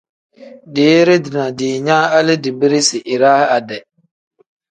Deere dina diinyaa hali dibirisi iraa ade.